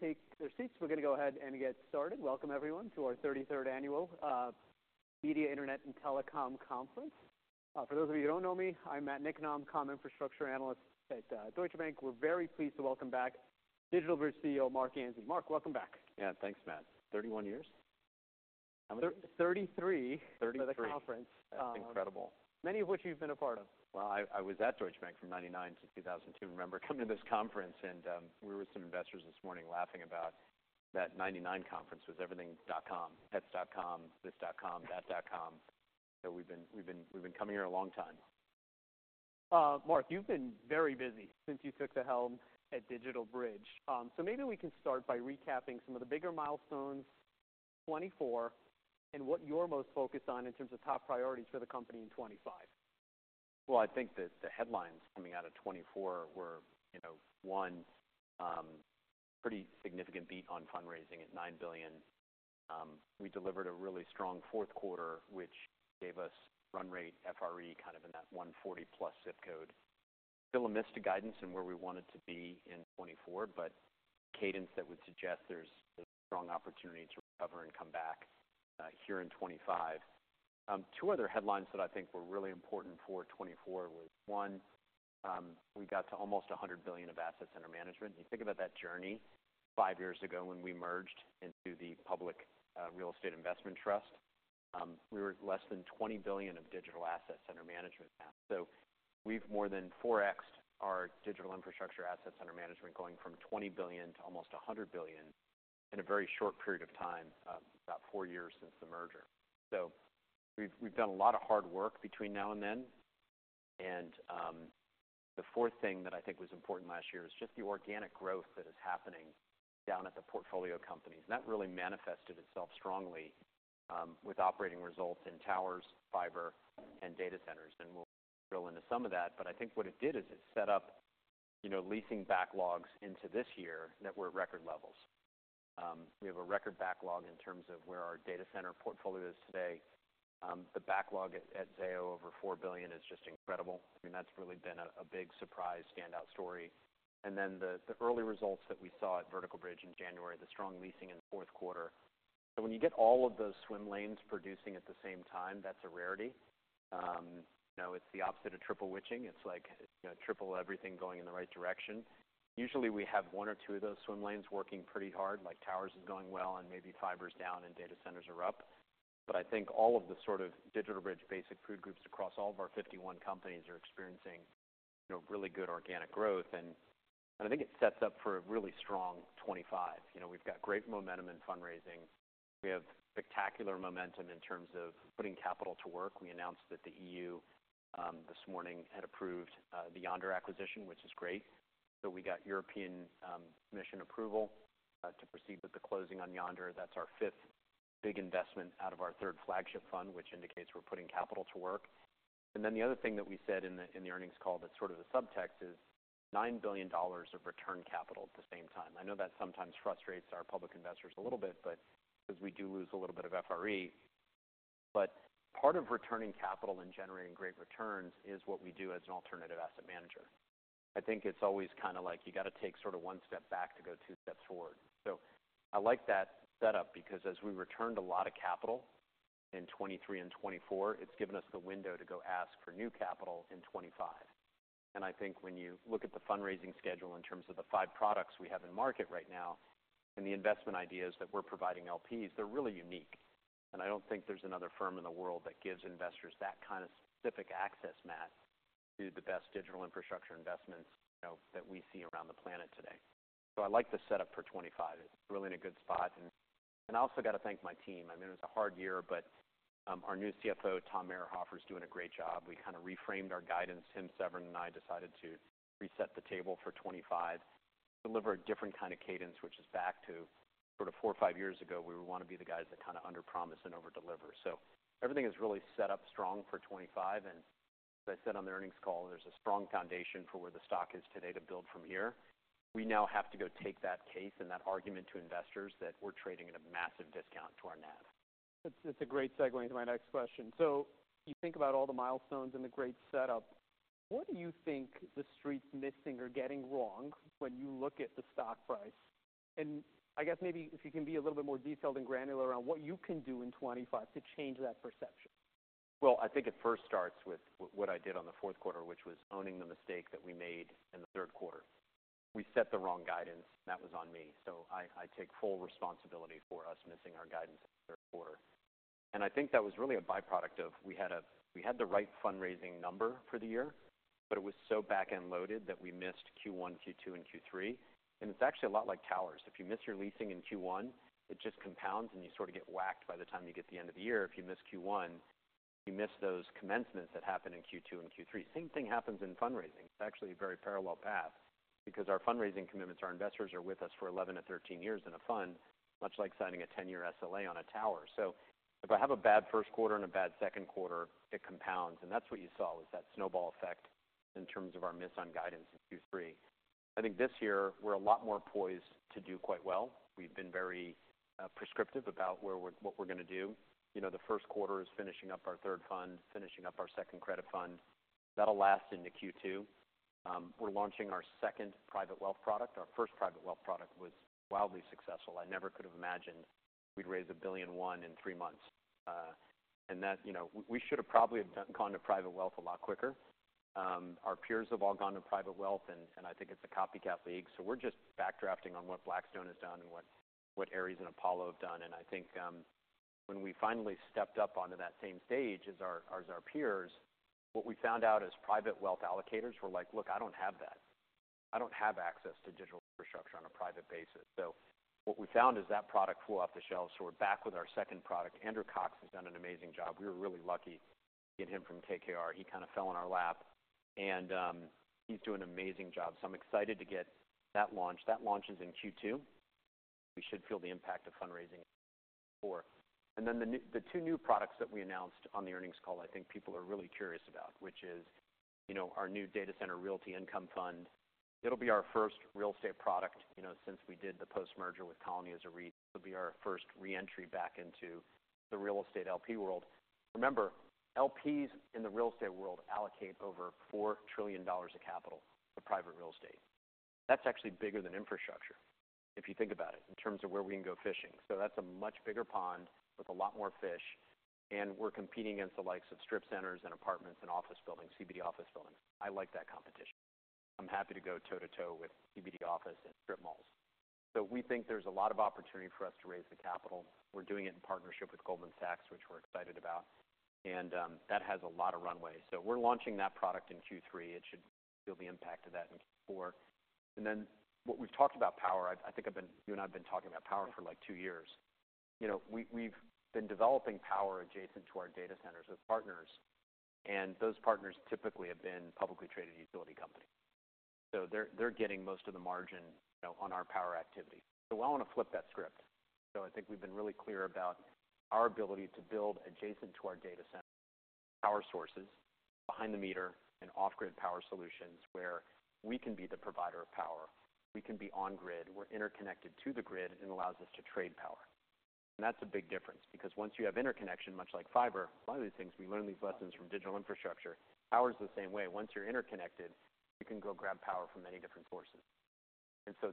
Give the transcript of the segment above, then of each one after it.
Please take their seats. We're gonna go ahead and get started. Welcome everyone to our 33rd Annual Media, Internet, and Telecom Conference. For those of you who don't know me, I'm Matt Niknam, Comm Infrastructure Analyst at Deutsche Bank. We're very pleased to welcome back DigitalBridge CEO, Marc Ganzi. Marc, welcome back. Yeah, thanks Matt. 31 years? 33. 33. For the conference. That's incredible. Many of which you've been a part of. I was at Deutsche Bank from 1999 to 2002. I remember coming to this conference and we were with some investors this morning laughing about that 1999 conference was everything.com, pets.com, this.com, that.com. We've been coming here a long time. Marc, you've been very busy since you took the helm at DigitalBridge. Maybe we can start by recapping some of the bigger milestones in 2024 and what you're most focused on in terms of top priorities for the company in 2025. I think that the headlines coming out of 2024 were, you know, one, pretty significant beat on fundraising at $9 billion. We delivered a really strong fourth quarter, which gave us run rate FRE kind of in that $140-plus zip code. Still a miss to guidance in where we wanted to be in 2024, but a cadence that would suggest there's a strong opportunity to recover and come back, here in 2025. Two other headlines that I think were really important for 2024 were one, we got to almost $100 billion of assets under management. You think about that journey five years ago when we merged into the public real estate investment trust. We were less than $20 billion of digital assets under management now. We have more than 4x our digital infrastructure assets under management, going from $20 billion to almost $100 billion in a very short period of time, about four years since the merger. We have done a lot of hard work between now and then. The fourth thing that I think was important last year is just the organic growth that is happening down at the portfolio companies. That really manifested itself strongly, with operating results in towers, fiber, and data centers. We will drill into some of that. I think what it did is it set up, you know, leasing backlogs into this year that were record levels. We have a record backlog in terms of where our data center portfolio is today. The backlog at Zayo, over $4 billion, is just incredible. I mean, that has really been a big surprise, standout story. The early results that we saw at Vertical Bridge in January, the strong leasing in the fourth quarter. When you get all of those swim lanes producing at the same time, that's a rarity. You know, it's the opposite of triple witching. It's like, you know, triple everything going in the right direction. Usually, we have one or two of those swim lanes working pretty hard, like towers is going well and maybe fiber is down and data centers are up. I think all of the sort of DigitalBridge basic food groups across all of our 51 companies are experiencing, you know, really good organic growth. I think it sets up for a really strong 2025. You know, we've got great momentum in fundraising. We have spectacular momentum in terms of putting capital to work. We announced that the EU this morning had approved the Yondr acquisition, which is great. We got European Commission approval to proceed with the closing on Yondr. That is our fifth big investment out of our third flagship fund, which indicates we are putting capital to work. The other thing that we said in the earnings call that is sort of a subtext is $9 billion of return capital at the same time. I know that sometimes frustrates our public investors a little bit, 'cause we do lose a little bit of FRE. Part of returning capital and generating great returns is what we do as an alternative asset manager. I think it is always kind of like you gotta take sort of one step back to go two steps forward. I like that setup because as we returned a lot of capital in 2023 and 2024, it's given us the window to go ask for new capital in 2025. I think when you look at the fundraising schedule in terms of the five products we have in market right now and the investment ideas that we're providing LPs, they're really unique. I don't think there's another firm in the world that gives investors that kinda specific access, Matt, to the best digital infrastructure investments, you know, that we see around the planet today. I like the setup for 2025. It's really in a good spot. I also gotta thank my team. I mean, it was a hard year, but our new CFO, Tom Mayrhofer, is doing a great job. We kinda reframed our guidance, him, Severin, and I decided to reset the table for 2025, deliver a different kinda cadence, which is back to sort of four or five years ago. We would wanna be the guys that kinda underpromise and overdeliver. Everything is really set up strong for 2025. As I said on the earnings call, there's a strong foundation for where the stock is today to build from here. We now have to go take that case and that argument to investors that we're trading at a massive discount to our NAV. That's a great segue into my next question. You think about all the milestones and the great setup. What do you think the street's missing or getting wrong when you look at the stock price? I guess maybe if you can be a little bit more detailed and granular around what you can do in 2025 to change that perception. I think it first starts with what I did on the fourth quarter, which was owning the mistake that we made in the third quarter. We set the wrong guidance. That was on me. I take full responsibility for us missing our guidance in the third quarter. I think that was really a byproduct of we had the right fundraising number for the year, but it was so back-end loaded that we missed Q1, Q2, and Q3. It's actually a lot like towers. If you miss your leasing in Q1, it just compounds and you sort of get whacked by the time you get to the end of the year. If you miss Q1, you miss those commencements that happen in Q2 and Q3. Same thing happens in fundraising. It's actually a very parallel path because our fundraising commitments, our investors are with us for 11 to 13 years in a fund, much like signing a 10-year SLA on a tower. If I have a bad first quarter and a bad second quarter, it compounds. That is what you saw was that snowball effect in terms of our miss on guidance in Q3. I think this year we are a lot more poised to do quite well. We have been very prescriptive about where we are, what we are gonna do. You know, the first quarter is finishing up our third fund, finishing up our second credit fund. That will last into Q2. We are launching our second private wealth product. Our first private wealth product was wildly successful. I never could have imagined we would raise $1.1 billion in three months. and that, you know, we should've probably gone to private wealth a lot quicker. our peers have all gone to private wealth and I think it's a copycat league. we're just backdrafting on what Blackstone has done and what Ares and Apollo have done. I think, when we finally stepped up onto that same stage as our peers, what we found out is private wealth allocators were like, "Look, I don't have that. I don't have access to digital infrastructure on a private basis." what we found is that product flew off the shelves. we're back with our second product. Andrew Cox has done an amazing job. we were really lucky to get him from KKR. he kinda fell in our lap. he's doing an amazing job. I'm excited to get that launched. That launch is in Q2. We should feel the impact of fundraising in Q4. The two new products that we announced on the earnings call I think people are really curious about, which is, you know, our new data center realty income fund. It'll be our first real estate product, you know, since we did the post-merger with Colony as a REIT. This'll be our first re-entry back into the real estate LP world. Remember, LPs in the real estate world allocate over $4 trillion of capital to private real estate. That's actually bigger than infrastructure if you think about it in terms of where we can go fishing. That is a much bigger pond with a lot more fish. We are competing against the likes of strip centers and apartments and office buildings, CBD office buildings. I like that competition. I'm happy to go toe to toe with CBD office and strip malls. We think there's a lot of opportunity for us to raise the capital. We're doing it in partnership with Goldman Sachs, which we're excited about. That has a lot of runway. We're launching that product in Q3. It should feel the impact of that in Q4. What we've talked about, power, I think you and I have been talking about power for like two years. We've been developing power adjacent to our data centers with partners. Those partners typically have been publicly traded utility companies. They're getting most of the margin on our power activity. We want to flip that script. I think we've been really clear about our ability to build adjacent to our data center power sources behind the meter and off-grid power solutions where we can be the provider of power. We can be on-grid. We're interconnected to the grid and it allows us to trade power. That's a big difference because once you have interconnection, much like fiber, a lot of these things we learn these lessons from digital infrastructure. Power's the same way. Once you're interconnected, you can go grab power from many different sources.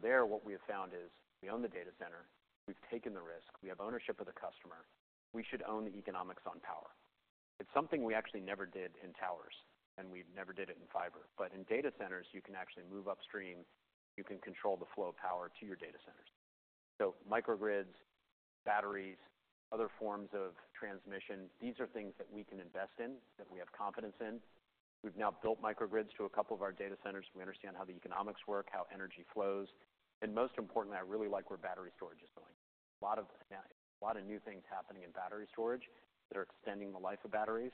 There what we have found is we own the data center. We've taken the risk. We have ownership of the customer. We should own the economics on power. It's something we actually never did in towers, and we never did it in fiber. In data centers, you can actually move upstream. You can control the flow of power to your data centers. Microgrids, batteries, other forms of transmission, these are things that we can invest in, that we have confidence in. We've now built microgrids to a couple of our data centers. We understand how the economics work, how energy flows. Most importantly, I really like where battery storage is going. A lot of new things happening in battery storage that are extending the life of batteries.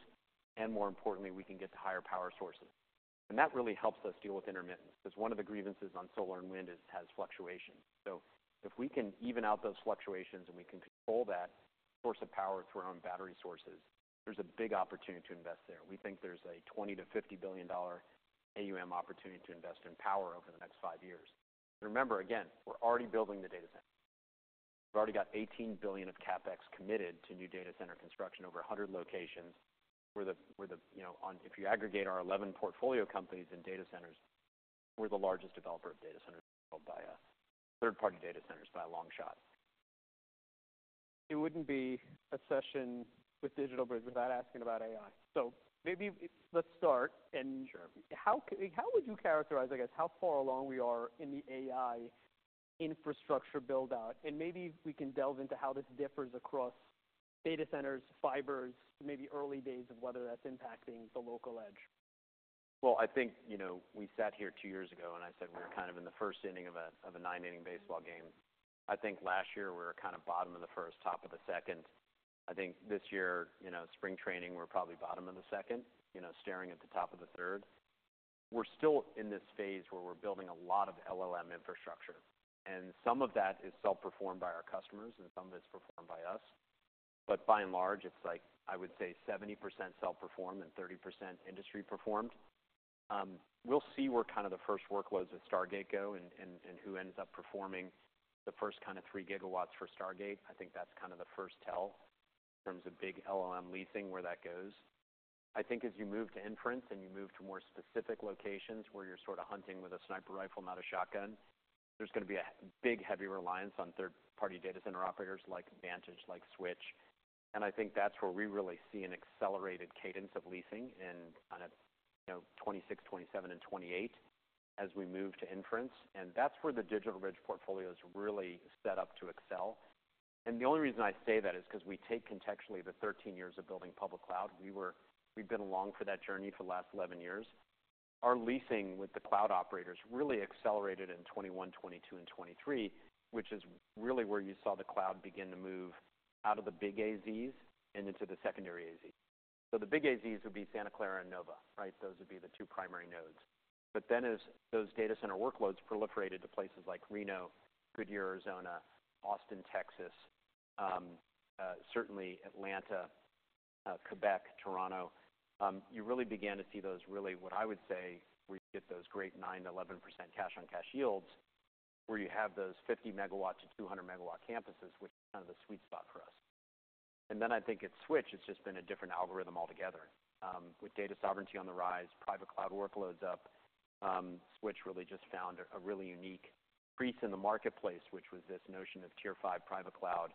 More importantly, we can get to higher power sources. That really helps us deal with intermittence because one of the grievances on solar and wind is it has fluctuations. If we can even out those fluctuations and we can control that source of power through our own battery sources, there's a big opportunity to invest there. We think there's a $20 billion-$50 billion AUM opportunity to invest in power over the next five years. Remember, again, we're already building the data centers. We've already got $18 billion of CapEx committed to new data center construction over 100 locations where, you know, if you aggregate our 11 portfolio companies in data centers, we're the largest developer of data centers in the world by us. Third-party data centers by a long shot. It would not be a session with DigitalBridge without asking about AI. Maybe let's start and. Sure. How would you characterize, I guess, how far along we are in the AI infrastructure build-out? And maybe we can delve into how this differs across data centers, fibers, maybe early days of whether that's impacting the local edge. I think, you know, we sat here two years ago and I said we were kind of in the first inning of a nine-inning baseball game. I think last year we were kinda bottom of the first, top of the second. I think this year, you know, spring training, we're probably bottom of the second, you know, staring at the top of the third. We're still in this phase where we're building a lot of LLM infrastructure. And some of that is self-performed by our customers and some of it's performed by us. By and large, it's like I would say 70% self-performed and 30% industry performed. We'll see where kinda the first workloads at Stargate go and who ends up performing the first kinda 3 GW for Stargate. I think that's kinda the first tell in terms of big LLM leasing where that goes. I think as you move to inference and you move to more specific locations where you're sort of hunting with a sniper rifle, not a shotgun, there's gonna be a big heavy reliance on third-party data center operators like Vantage, like Switch. I think that's where we really see an accelerated cadence of leasing in kinda, you know, 2026, 2027, and 2028 as we move to inference. That's where the DigitalBridge portfolio's really set up to excel. The only reason I say that is 'cause we take contextually the 13 years of building public cloud. We've been along for that journey for the last 11 years. Our leasing with the cloud operators really accelerated in 2021, 2022, and 2023, which is really where you saw the cloud begin to move out of the big AZs and into the secondary AZs. The big AZs would be Santa Clara and Northern Virginia, right? Those would be the two primary nodes. As those data center workloads proliferated to places like Reno, Goodyear, Arizona, Austin, Texas, certainly Atlanta, Quebec, Toronto, you really began to see those really what I would say where you get those great 9%-11% cash-on-cash yields where you have those 50 MW to 200 MW campuses, which is kind of the sweet spot for us. I think at Switch, it's just been a different algorithm altogether. With data sovereignty on the rise, private cloud workloads up, Switch really just found a really unique crease in the marketplace, which was this notion of Tier 5 private cloud.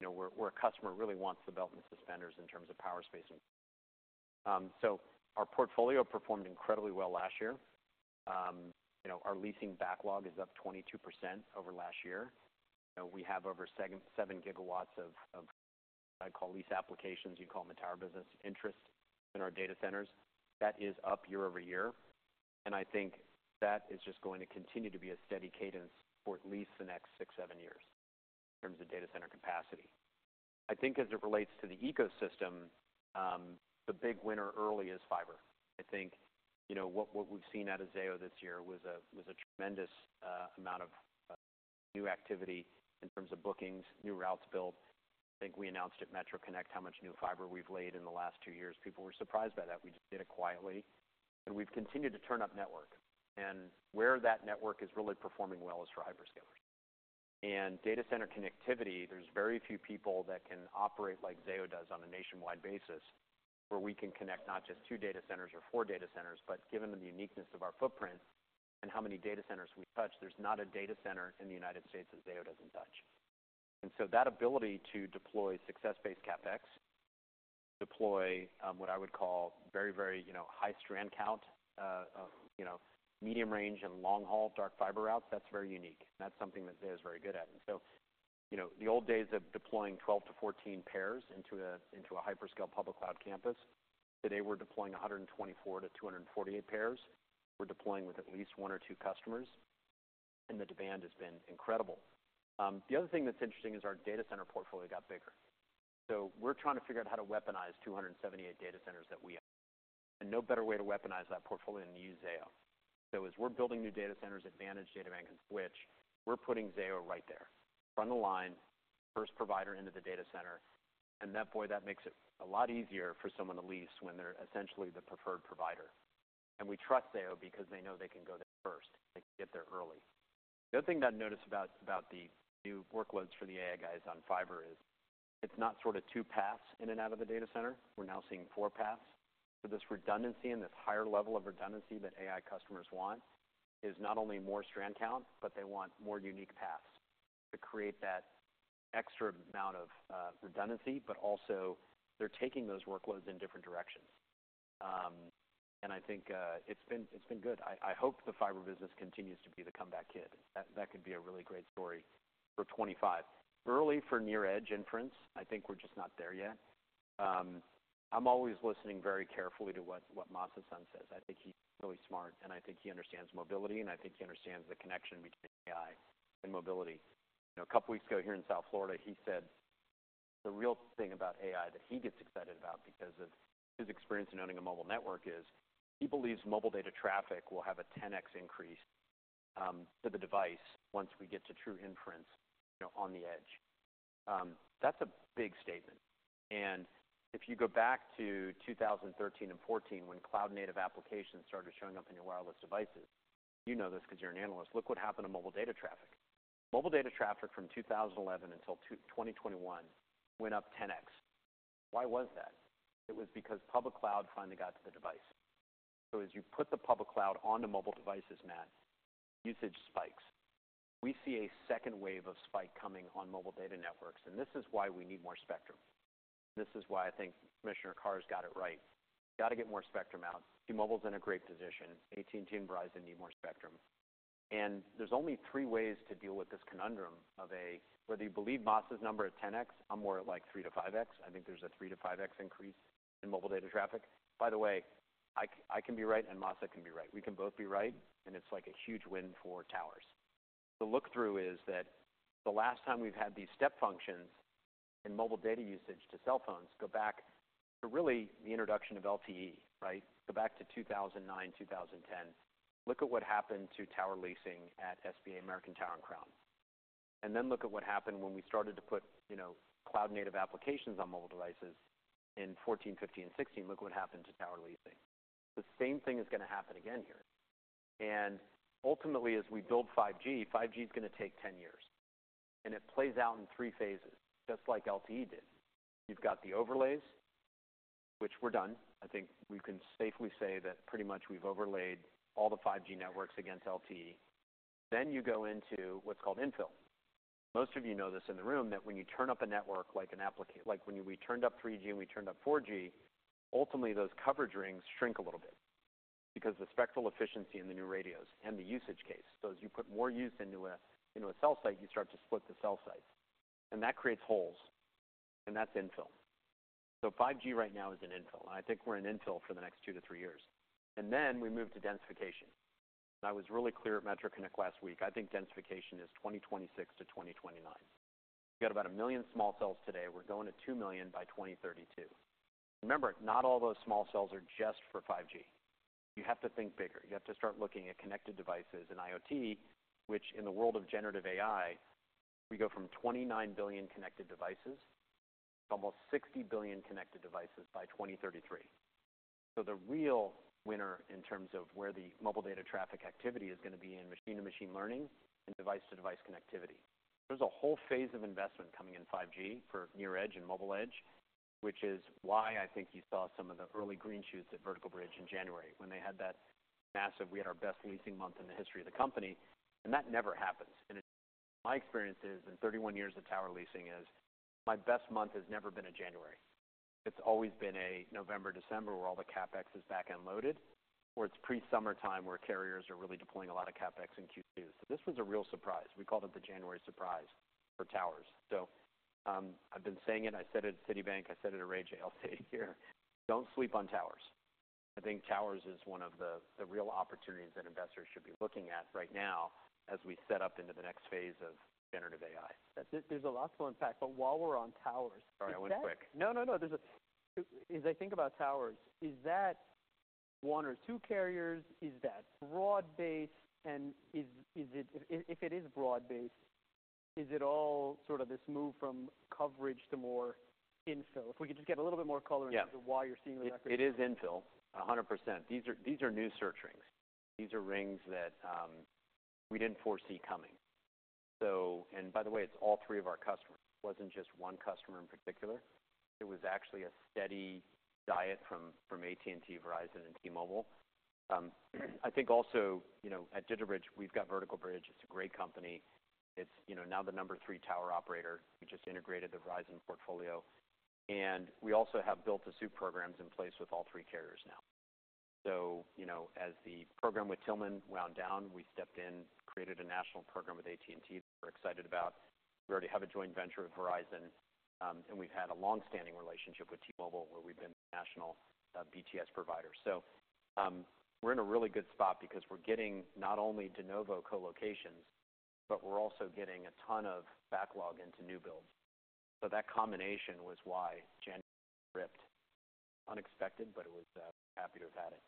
You know, where a customer really wants the belt and suspenders in terms of power, space, and so our portfolio performed incredibly well last year. You know, our leasing backlog is up 22% over last year. You know, we have over 7 GW of what I call lease applications. You can call them a tower business interest in our data centers. That is up year-over-year. I think that is just going to continue to be a steady cadence for at least the next six, seven years in terms of data center capacity. I think as it relates to the ecosystem, the big winner early is fiber. I think, you know, what we've seen at Zayo this year was a tremendous amount of new activity in terms of bookings, new routes built. I think we announced at Metro Connect how much new fiber we've laid in the last two years. People were surprised by that. We did it quietly. We've continued to turn up network. Where that network is really performing well is for hyperscalers. In data center connectivity, there's very few people that can operate like Zayo does on a nationwide basis where we can connect not just two data centers or four data centers, but given the uniqueness of our footprint and how many data centers we touch, there's not a data center in the United States that Zayo doesn't touch. That ability to deploy success-based CapEx, deploy what I would call very, very, you know, high strand count, you know, medium-range and long-haul dark fiber routes, that's very unique. That's something that Zayo is very good at. You know, the old days of deploying 12 to 14 pairs into a hyperscale public cloud campus, today we're deploying 124-248 pairs. We're deploying with at least one or two customers. The demand has been incredible. The other thing that's interesting is our data center portfolio got bigger. We're trying to figure out how to weaponize 278 data centers that we have. No better way to weaponize that portfolio than to use Zayo. As we're building new data centers at Vantage, DataBank, and Switch, we're putting Zayo right there. Front of line, first provider into the data center. That makes it a lot easier for someone to lease when they're essentially the preferred provider. We trust Zayo because they know they can go there first. They can get there early. The other thing that I noticed about the new workloads for the AI guys on fiber is it's not sort of two paths in and out of the data center. We're now seeing four paths. This redundancy and this higher level of redundancy that AI customers want is not only more strand count, but they want more unique paths to create that extra amount of redundancy, but also they're taking those workloads in different directions. I think it's been good. I hope the fiber business continues to be the comeback kid. That could be a really great story for 2025. Early for near-edge inference, I think we're just not there yet. I'm always listening very carefully to what Masayoshi Son says. I think he's really smart. I think he understands mobility. I think he understands the connection between AI and mobility. You know, a couple weeks ago here in South Florida, he said the real thing about AI that he gets excited about because of his experience in owning a mobile network is he believes mobile data traffic will have a 10x increase to the device once we get to true inference, you know, on the edge. That's a big statement. If you go back to 2013 and 2014 when cloud-native applications started showing up in your wireless devices, you know this 'cause you're an analyst, look what happened to mobile data traffic. Mobile data traffic from 2011 until 2021 went up 10x. Why was that? It was because public cloud finally got to the device. As you put the public cloud onto mobile devices, Matt, usage spikes. We see a second wave of spike coming on mobile data networks. This is why we need more spectrum. This is why I think Commissioner Carr's got it right. We gotta get more spectrum out. T-Mobile's in a great position. AT&T and Verizon need more spectrum. There are only three ways to deal with this conundrum of whether you believe Masa's number at 10x, I'm more at like 3-5x. I think there's a 3-5x increase in mobile data traffic. By the way, I can be right and Masa can be right. We can both be right. It's like a huge win for towers. The look-through is that the last time we've had these step functions in mobile data usage to cell phones goes back to really the introduction of LTE, right? Go back to 2009, 2010. Look at what happened to tower leasing at SBA, American Tower, and Crown. Then look at what happened when we started to put, you know, cloud-native applications on mobile devices in 2014, 2015, and 2016. Look what happened to tower leasing. The same thing is gonna happen again here. Ultimately, as we build 5G, 5G's gonna take 10 years. It plays out in three phases just like LTE did. You've got the overlays, which we're done. I think we can safely say that pretty much we've overlaid all the 5G networks against LTE. You go into what's called infill. Most of you know this in the room that when you turn up a network like an application, like when we turned up 3G and we turned up 4G, ultimately those coverage rings shrink a little bit because of the spectral efficiency in the new radios and the usage case. As you put more use into a cell site, you start to split the cell sites. That creates holes, and that's infill. 5G right now is in infill, and I think we're in infill for the next two to three years. We move to densification. I was really clear at Metro Connect last week. I think densification is 2026 to 2029. We've got about a million small cells today. We're going to two million by 2032. Remember, not all those small cells are just for 5G. You have to think bigger. You have to start looking at connected devices and IoT, which in the world of generative AI, we go from 29 billion connected devices to almost 60 billion connected devices by 2033. The real winner in terms of where the mobile data traffic activity is gonna be is in machine-to-machine learning and device-to-device connectivity. There is a whole phase of investment coming in 5G for near-edge and mobile edge, which is why I think you saw some of the early green shoots at Vertical Bridge in January when they had that massive—we had our best leasing month in the history of the company. That never happens. My experience is in 31 years of tower leasing, my best month has never been in January. It's always been a November, December where all the CapEx is back unloaded or it's pre-summertime where carriers are really deploying a lot of CapEx in Q2. This was a real surprise. We called it the January surprise for towers. I've been saying it. I said it at Citibank. I said it at Raymond James, I'll say here. Don't sleep on towers. I think towers is one of the real opportunities that investors should be looking at right now as we set up into the next phase of generative AI. That's it. There's a lot to unpack. While we're on towers. Sorry. I went quick. No, no, no. As I think about towers, is that one or two carriers? Is that broad-based? And is it, if it is broad-based, is it all sort of this move from coverage to more infill? If we could just get a little bit more color into why you're seeing the. Yes. It is infill, 100%. These are new search rings. These are rings that we did not foresee coming. By the way, it is all three of our customers. It was not just one customer in particular. It was actually a steady diet from AT&T, Verizon, and T-Mobile. I think also, you know, at DigitalBridge, we have got Vertical Bridge. It is a great company. It is now the number three tower operator. We just integrated the Verizon portfolio. We also have build-to-suit programs in place with all three carriers now. As the program with Tillman wound down, we stepped in, created a national program with AT&T that we are excited about. We already have a joint venture with Verizon, and we have had a long-standing relationship with T-Mobile where we have been the national BTS provider. We're in a really good spot because we're getting not only de novo co-locations, but we're also getting a ton of backlog into new builds. That combination was why January ripped. Unexpected, but it was, happy to have had it.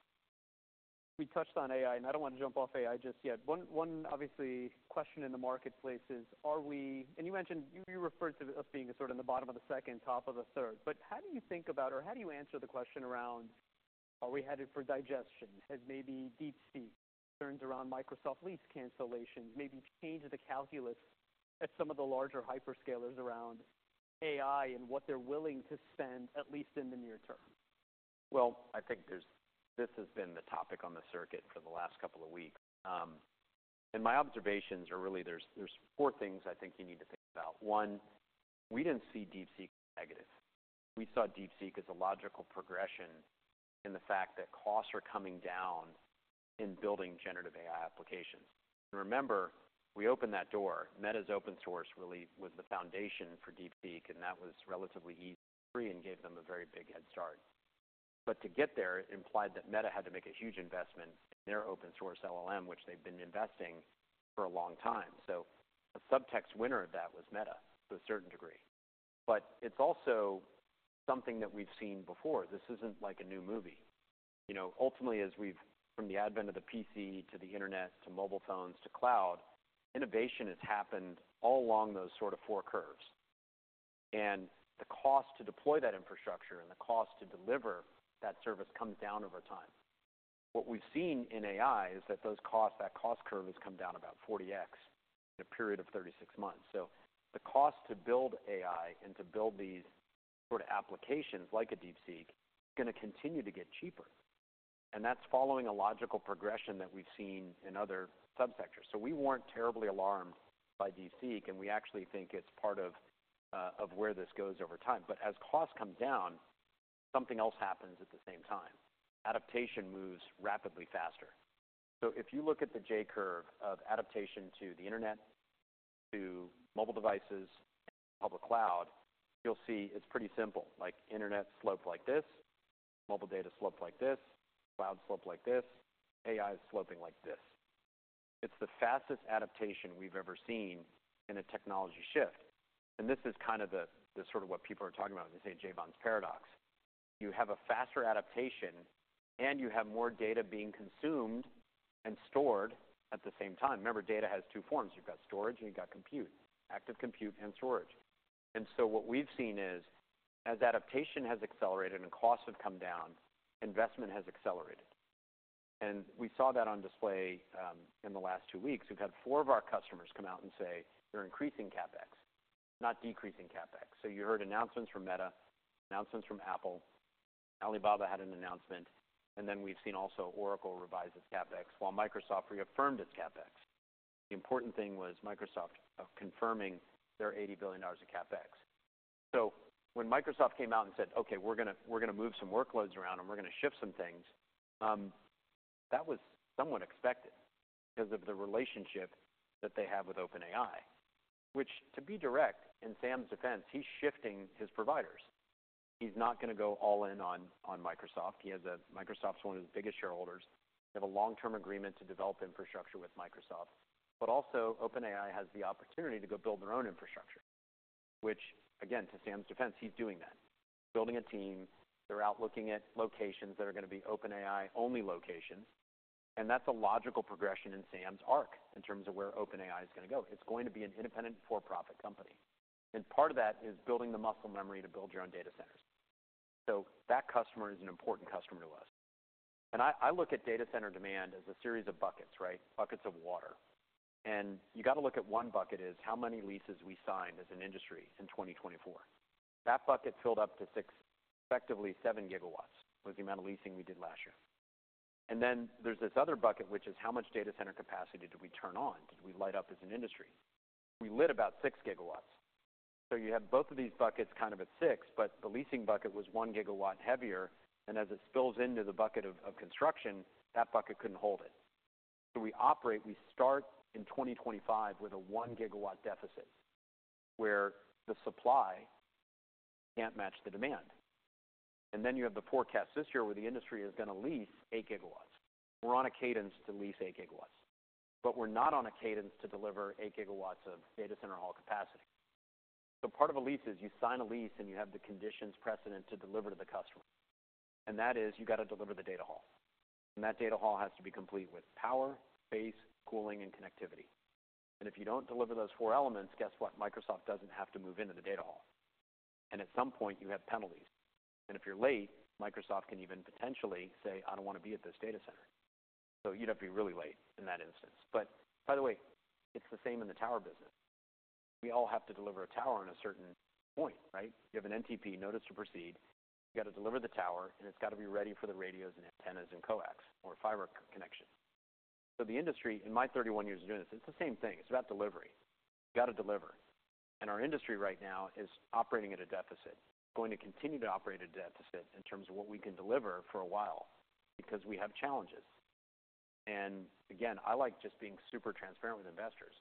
We touched on AI. I do not wanna jump off AI just yet. One obviously question in the marketplace is, are we, and you mentioned, you referred to us being sort of in the bottom of the second, top of the third. How do you think about or how do you answer the question around, are we headed for digestion? Has maybe DeepSeek concerns around Microsoft lease cancellations maybe changed the calculus at some of the larger hyperscalers around AI and what they're willing to spend at least in the near term? I think this has been the topic on the circuit for the last couple of weeks. My observations are really there's four things I think you need to think about. One, we did not see DeepSeek as negative. We saw DeepSeek as a logical progression in the fact that costs are coming down in building generative AI applications. Remember, we opened that door. Meta's open source really was the foundation for DeepSeek. That was relatively easily free and gave them a very big head start. To get there, it implied that Meta had to make a huge investment in their open source LLM, which they have been investing in for a long time. A subtext winner of that was Meta to a certain degree. It is also something that we have seen before. This is not like a new movie. You know, ultimately, as we've from the advent of the PC to the internet to mobile phones to cloud, innovation has happened all along those sort of four curves. The cost to deploy that infrastructure and the cost to deliver that service comes down over time. What we've seen in AI is that those costs, that cost curve has come down about 40x in a period of 36 months. The cost to build AI and to build these sort of applications like a DeepSeek is gonna continue to get cheaper. That's following a logical progression that we've seen in other subsectors. We weren't terribly alarmed by DeepSeek. We actually think it's part of where this goes over time. As costs come down, something else happens at the same time. Adaptation moves rapidly faster. If you look at the J curve of adaptation to the internet, to mobile devices, and public cloud, you'll see it's pretty simple. Like internet sloped like this, mobile data sloped like this, cloud sloped like this, AI is sloping like this. It's the fastest adaptation we've ever seen in a technology shift. This is kind of the sort of what people are talking about when they say Jevons paradox. You have a faster adaptation, and you have more data being consumed and stored at the same time. Remember, data has two forms. You've got storage, and you've got compute, active compute, and storage. What we've seen is, as adaptation has accelerated and costs have come down, investment has accelerated. We saw that on display in the last two weeks. We've had four of our customers come out and say, "You're increasing CapEx, not decreasing CapEx." You heard announcements from Meta, announcements from Apple. Alibaba had an announcement. We've seen also Oracle revise its CapEx while Microsoft reaffirmed its CapEx. The important thing was Microsoft confirming their $80 billion of CapEx. When Microsoft came out and said, "Okay. We're gonna we're gonna move some workloads around, and we're gonna shift some things," that was somewhat expected because of the relationship that they have with OpenAI, which to be direct in Sam's defense, he's shifting his providers. He's not gonna go all in on on Microsoft. Microsoft's one of his biggest shareholders. They have a long-term agreement to develop infrastructure with Microsoft. Also, OpenAI has the opportunity to go build their own infrastructure, which again, to Sam's defense, he's doing that. He's building a team. They're out looking at locations that are gonna be OpenAI-only locations. That's a logical progression in Sam's arc in terms of where OpenAI is gonna go. It's going to be an independent for-profit company. Part of that is building the muscle memory to build your own data centers. That customer is an important customer to us. I look at data center demand as a series of buckets, right? Buckets of water. You gotta look at one bucket as how many leases we signed as an industry in 2024. That bucket filled up to six, effectively 7 GW was the amount of leasing we did last year. There's this other bucket, which is how much data center capacity did we turn on? Did we light up as an industry? We lit about 6 GW. You have both of these buckets kind of at six, but the leasing bucket was 1 GW heavier. As it spills into the bucket of construction, that bucket could not hold it. We operate, we start in 2025 with a 1 GW deficit where the supply cannot match the demand. You have the forecast this year where the industry is gonna lease 8 GW. We are on a cadence to lease 8 GW. We are not on a cadence to deliver 8 GW of data center hall capacity. Part of a lease is you sign a lease, and you have the conditions precedent to deliver to the customer. That is, you gotta deliver the data hall. That data hall has to be complete with power, space, cooling, and connectivity. If you do not deliver those four elements, guess what? Microsoft doesn't have to move into the data hall. At some point, you have penalties. If you're late, Microsoft can even potentially say, "I don't wanna be at this data center." You'd have to be really late in that instance. By the way, it's the same in the tower business. We all have to deliver a tower at a certain point, right? You have an NTP, notice to proceed. You gotta deliver the tower, and it's gotta be ready for the radios and antennas and coax or fiber connection. The industry in my 31 years of doing this, it's the same thing. It's about delivery. You gotta deliver. Our industry right now is operating at a deficit. It's going to continue to operate at a deficit in terms of what we can deliver for a while because we have challenges. I like just being super transparent with investors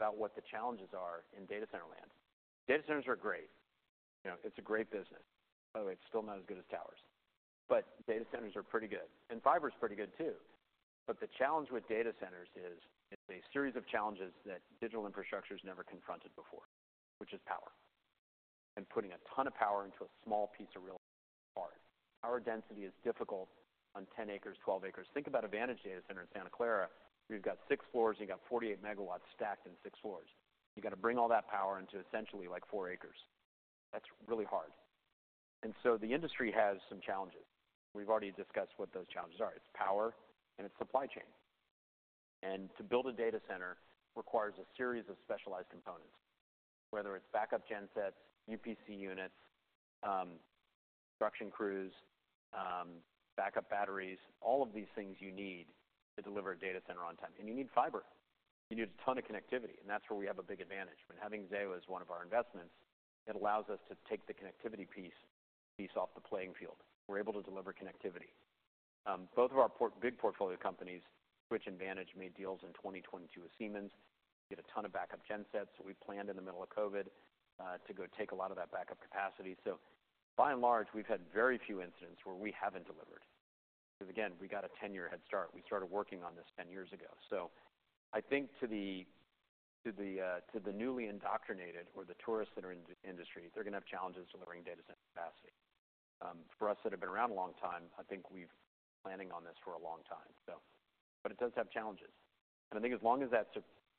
about what the challenges are in data center land. Data centers are great. You know, it's a great business. By the way, it's still not as good as towers. Data centers are pretty good. And fiber's pretty good too. The challenge with data centers is it's a series of challenges that digital infrastructure's never confronted before, which is power. Putting a ton of power into a small piece of real hard. Power density is difficult on 10 acres, 12 acres. Think about a Vantage Data Centers facility in Santa Clara. You've got six floors, and you got 48 MW stacked in six floors. You gotta bring all that power into essentially like four acres. That's really hard. The industry has some challenges. We've already discussed what those challenges are. It's power, and it's supply chain. To build a data center requires a series of specialized components, whether it's backup gensets, UPS units, production crews, backup batteries, all of these things you need to deliver a data center on time. You need fiber. You need a ton of connectivity. That is where we have a big advantage. Having Zayo as one of our investments allows us to take the connectivity piece off the playing field. We're able to deliver connectivity. Both of our big portfolio companies, Switch and Vantage, made deals in 2022 with Siemens. We had a ton of backup gensets that we planned in the middle of COVID to go take a lot of that backup capacity. By and large, we've had very few incidents where we haven't delivered. We got a 10-year head start. We started working on this 10 years ago. I think to the newly indoctrinated or the tourists that are in the industry, they're gonna have challenges delivering data center capacity. For us that have been around a long time, I think we've been planning on this for a long time. It does have challenges. I think as long as that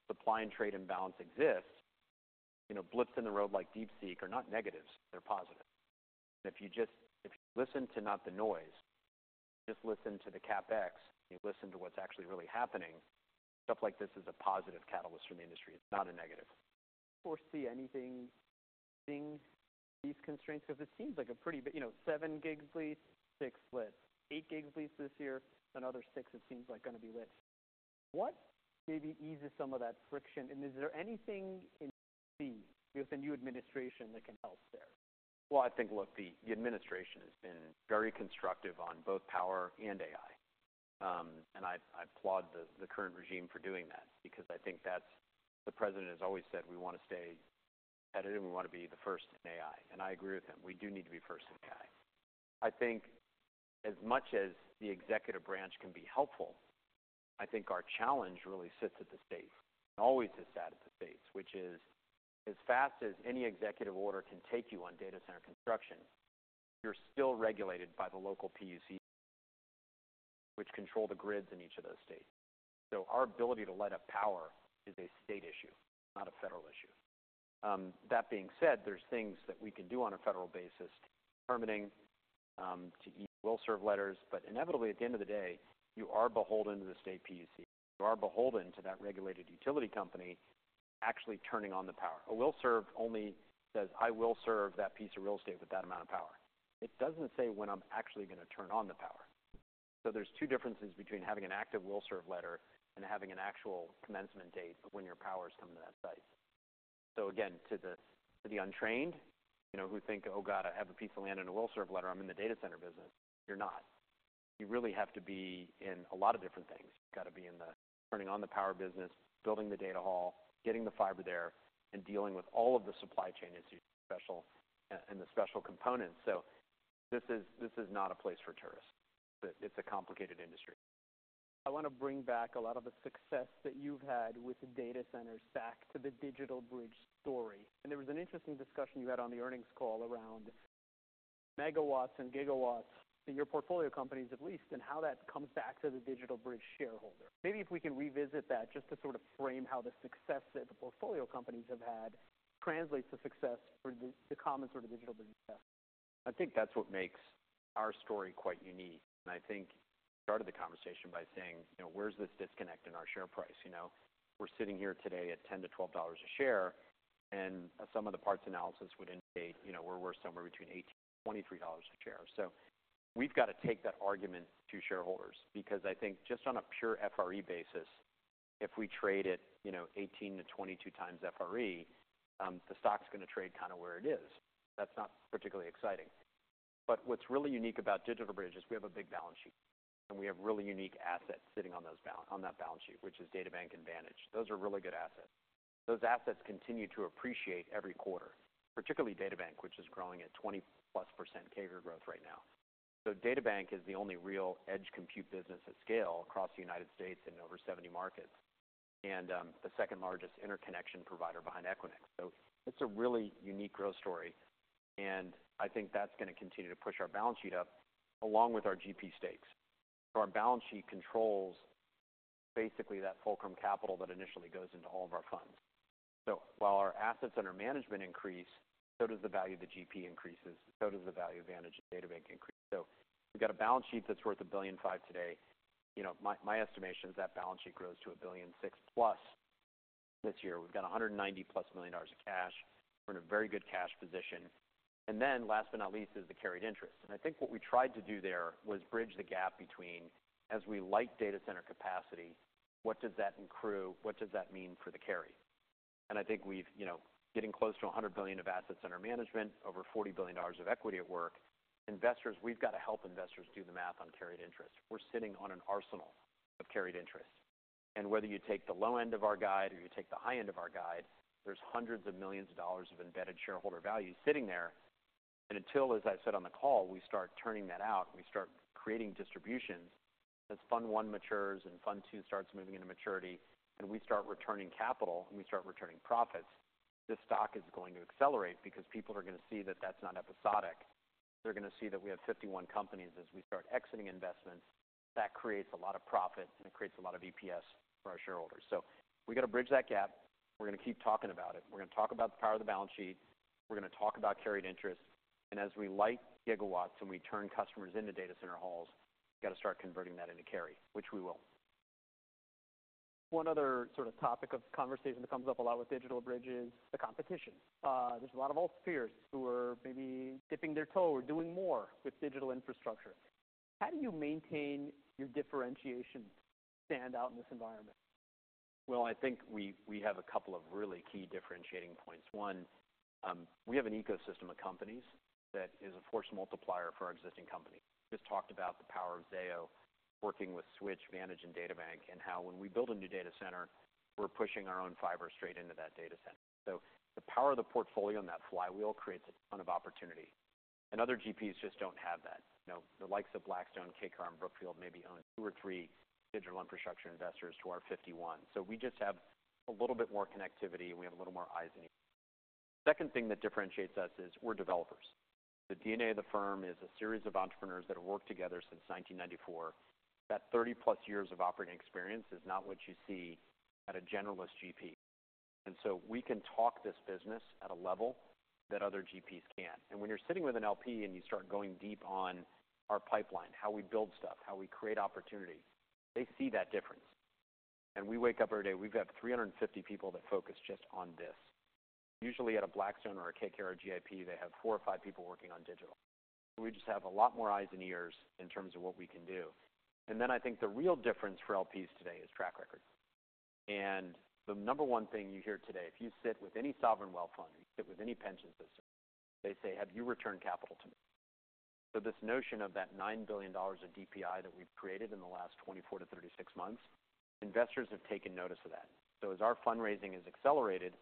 supply and trade imbalance exists, you know, blips in the road like DeepSeek are not negatives. They're positive. If you just listen to not the noise, you just listen to the CapEx, you listen to what's actually really happening, stuff like this is a positive catalyst for the industry. It's not a negative. Foresee anything exceeding these constraints? Because it seems like a pretty, you know, seven gigs leased, six lit, eight gigs leased this year, another six it seems like gonna be lit. What maybe eases some of that friction? Is there anything in the new administration that can help there? I think, look, the administration has been very constructive on both power and AI. I applaud the current regime for doing that because I think, as the president has always said, "We wanna stay competitive. We wanna be the first in AI." I agree with him. We do need to be first in AI. I think as much as the executive branch can be helpful, our challenge really sits at the states. It always has sat at the states, which is as fast as any executive order can take you on data center construction, you're still regulated by the local PUCs, which control the grids in each of those states. Our ability to light up power is a state issue, not a federal issue. That being said, there are things that we can do on a federal basis. Permitting, too. Will-serve letters. Inevitably, at the end of the day, you are beholden to the state PUC. You are beholden to that regulated utility company actually turning on the power. A will-serve only says, "I will serve that piece of real estate with that amount of power." It does not say when I am actually gonna turn on the power. There are two differences between having an active will-serve letter and having an actual commencement date of when your power is coming to that site. Again, to the untrained, you know, who think, "Oh God, I have a piece of land and a will-serve letter. I am in the data center business." You are not. You really have to be in a lot of different things. You gotta be in the turning on the power business, building the data hall, getting the fiber there, and dealing with all of the supply chain issues, and the special components. This is not a place for tourists. It's a complicated industry. I wanna bring back a lot of the success that you've had with the data centers back to the DigitalBridge story. There was an interesting discussion you had on the earnings call around MW and GW in your portfolio companies at least and how that comes back to the DigitalBridge shareholder. Maybe if we can revisit that just to sort of frame how the success that the portfolio companies have had translates to success for the common sort of DigitalBridge investors. I think that's what makes our story quite unique. I think I started the conversation by saying, you know, "Where's this disconnect in our share price?" You know, we're sitting here today at $10-$12 a share. Some of the parts analysis would indicate, you know, we're worth somewhere between $18 and $23 a share. We've gotta take that argument to shareholders because I think just on a pure FRE basis, if we trade at, you know, 18-22 times FRE, the stock's gonna trade kinda where it is. That's not particularly exciting. What's really unique about DigitalBridge is we have a big balance sheet. We have really unique assets sitting on that balance sheet, which is DataBank and Vantage. Those are really good assets. Those assets continue to appreciate every quarter, particularly DataBank, which is growing at 20+% CAGR growth right now. DataBank is the only real edge compute business at scale across the United States in over 70 markets and, the second largest interconnection provider behind Equinix. It is a really unique growth story. I think that's gonna continue to push our balance sheet up along with our GP stakes. Our balance sheet controls basically that Fulcrum capital that initially goes into all of our funds. While our assets under management increase, so does the value of the GP increases. So does the value of Vantage and DataBank increase. We've got a balance sheet that's worth $1.5 billion today. You know, my estimation is that balance sheet grows to $1.6+ billion this year. We've got $190+ million of cash. We're in a very good cash position. Last but not least is the carried interest. I think what we tried to do there was bridge the gap between as we light data center capacity, what does that mean for the carry? I think we've, you know, getting close to $100 billion of assets under management, over $40 billion of equity at work. Investors, we've gotta help investors do the math on carried interest. We're sitting on an arsenal of carried interest. Whether you take the low end of our guide or you take the high end of our guide, there's hundreds of millions of dollars of embedded shareholder value sitting there. Until, as I said on the call, we start turning that out, we start creating distributions, as fund one matures and fund two starts moving into maturity, and we start returning capital and we start returning profits, the stock is going to accelerate because people are gonna see that that's not episodic. They're gonna see that we have 51 companies as we start exiting investments. That creates a lot of profit, and it creates a lot of EPS for our shareholders. We gotta bridge that gap. We're gonna keep talking about it. We're gonna talk about the power of the balance sheet. We're gonna talk about carried interest. As we light gigawatts and we turn customers into data center halls, we gotta start converting that into carry, which we will. One other sort of topic of conversation that comes up a lot with DigitalBridge is the competition. There's a lot of ulterior who are maybe dipping their toe or doing more with digital infrastructure. How do you maintain your differentiation to stand out in this environment? I think we have a couple of really key differentiating points. One, we have an ecosystem of companies that is a force multiplier for our existing company. Just talked about the power of Zayo working with Switch, Vantage, and DataBank and how when we build a new data center, we're pushing our own fiber straight into that data center. The power of the portfolio and that flywheel creates a ton of opportunity. Other GPs just do not have that. You know, the likes of Blackstone, KKR, and Brookfield maybe own two or three digital infrastructure investors who are 51. We just have a little bit more connectivity, and we have a little more eyes in each. Second thing that differentiates us is we're developers. The DNA of the firm is a series of entrepreneurs that have worked together since 1994. That 30+ years of operating experience is not what you see at a generalist GP. We can talk this business at a level that other GPs can't. When you're sitting with an LP and you start going deep on our pipeline, how we build stuff, how we create opportunity, they see that difference. We wake up every day. We've got 350 people that focus just on this. Usually at a Blackstone or a KKR or GIP, they have four or five people working on digital. We just have a lot more eyes and ears in terms of what we can do. I think the real difference for LPs today is track record. The number one thing you hear today, if you sit with any sovereign wealth fund or you sit with any pension system, they say, "Have you returned capital to me?" This notion of that $9 billion of DPI that we've created in the last 24-36 months, investors have taken notice of that. As our fundraising has accelerated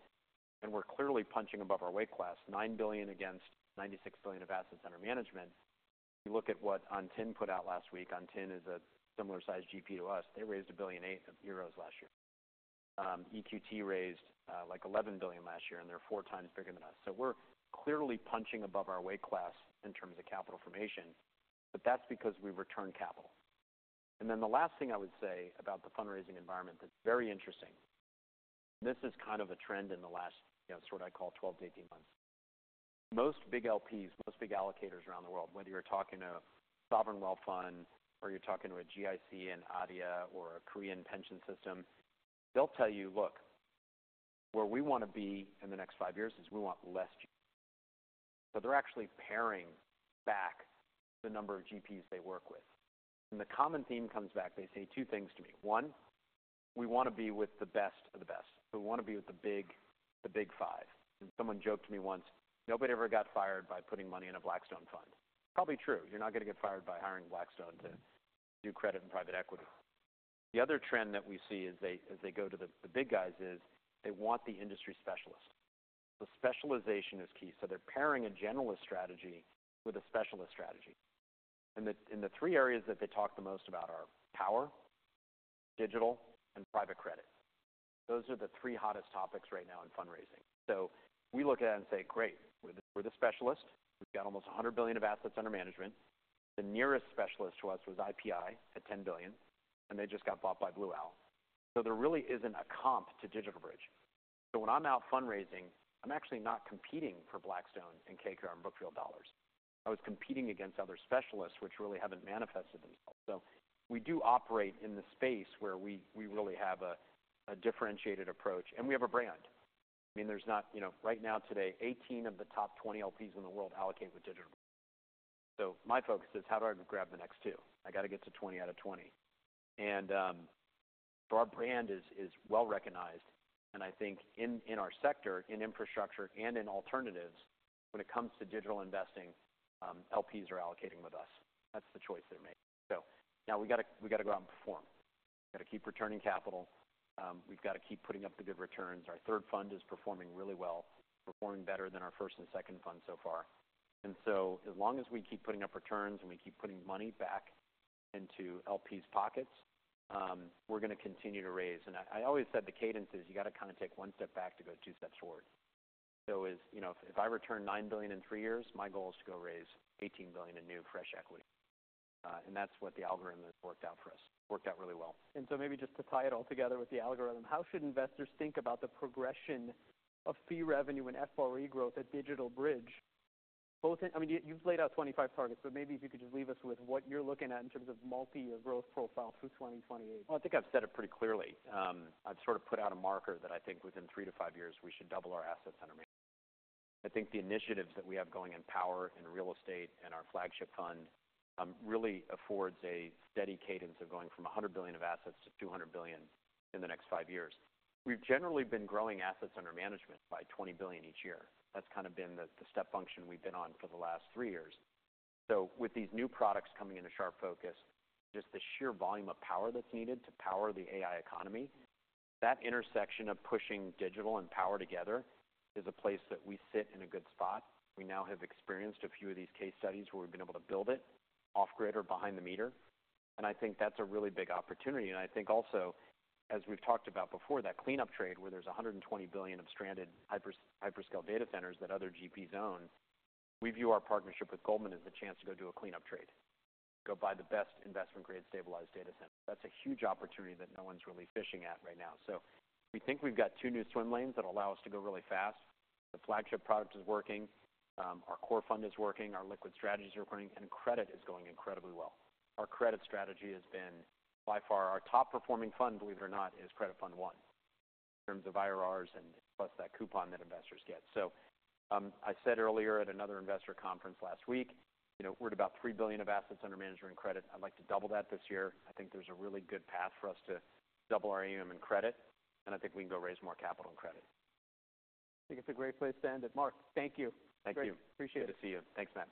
and we're clearly punching above our weight class, $9 billion against $96 billion of assets under management, you look at what Antin put out last week. Antin is a similar-sized GP to us. They raised 1.8 billion euros last year. EQT raised, like $11 billion last year, and they're four times bigger than us. We're clearly punching above our weight class in terms of capital formation, but that's because we've returned capital. The last thing I would say about the fundraising environment that's very interesting, and this is kind of a trend in the last, you know, sort of I call 12 to 18 months. Most big LPs, most big allocators around the world, whether you're talking to a sovereign wealth fund or you're talking to a GIC and ADIA or a Korean pension system, they'll tell you, "Look, where we wanna be in the next five years is we want less GP." So they're actually paring back the number of GPs they work with. The common theme comes back. They say two things to me. One, we wanna be with the best of the best. We wanna be with the big the big five. Someone joked to me once, "Nobody ever got fired by putting money in a Blackstone fund." Probably true. You're not gonna get fired by hiring Blackstone to do credit and private equity. The other trend that we see as they go to the big guys is they want the industry specialist. The specialization is key. They're pairing a generalist strategy with a specialist strategy. The three areas that they talk the most about are power, digital, and private credit. Those are the three hottest topics right now in fundraising. We look at it and say, "Great. We're the specialist. We've got almost $100 billion of assets under management. The nearest specialist to us was IPI at $10 billion, and they just got bought by Blue Owl." There really isn't a comp to DigitalBridge. When I'm out fundraising, I'm actually not competing for Blackstone and KKR and Brookfield dollars. I was competing against other specialists which really haven't manifested themselves. So we do operate in the space where we really have a differentiated approach. And we have a brand. I mean, there's not, you know, right now today, 18 of the top 20 LPs in the world allocate with DigitalBridge. So my focus is how do I grab the next two? I gotta get to 20 out of 20. And, so our brand is well recognized. I think in our sector, in infrastructure and in alternatives, when it comes to digital investing, LPs are allocating with us. That's the choice they've made. Now we gotta go out and perform. We gotta keep returning capital. We've gotta keep putting up the good returns. Our third fund is performing really well, performing better than our first and second fund so far. As long as we keep putting up returns and we keep putting money back into LPs' pockets, we're gonna continue to raise. I always said the cadence is you gotta kinda take one step back to go two steps forward. As you know, if I return $9 billion in three years, my goal is to go raise $18 billion in new fresh equity. That's what the algorithm has worked out for us. Worked out really well. Maybe just to tie it all together with the algorithm, how should investors think about the progression of fee revenue and FRE growth at DigitalBridge? Both in I mean, you've laid out 2025 targets, but maybe if you could just leave us with what you're looking at in terms of multi-year growth profile through 2028. I think I've said it pretty clearly. I've sort of put out a marker that I think within three to five years we should double our assets under management. I think the initiatives that we have going in power and real estate and our flagship fund really affords a steady cadence of going from $100 billion of assets to $200 billion in the next five years. We've generally been growing assets under management by $20 billion each year. That's kinda been the step function we've been on for the last three years. With these new products coming into sharp focus, just the sheer volume of power that's needed to power the AI economy, that intersection of pushing digital and power together is a place that we sit in a good spot. We now have experienced a few of these case studies where we've been able to build it off-grid or behind the meter. I think that's a really big opportunity. I think also, as we've talked about before, that cleanup trade where there's $120 billion of stranded hyperscale data centers that other GPs own, we view our partnership with Goldman Sachs as the chance to go do a cleanup trade, go buy the best investment-grade stabilized data center. That's a huge opportunity that no one's really fishing at right now. We think we've got two new swim lanes that allow us to go really fast. The flagship product is working. Our core fund is working. Our liquid strategies are working. Credit is going incredibly well. Our credit strategy has been by far our top-performing fund, believe it or not, is Credit Fund I in terms of IRRs and plus that coupon that investors get. I said earlier at another investor conference last week, you know, we're at about $3 billion of assets under management in credit. I'd like to double that this year. I think there's a really good path for us to double our AUM in credit. I think we can go raise more capital in credit. I think it's a great place to end it. Marc, thank you. Thank you. Great. Appreciate it. Good to see you. Thanks, Matt.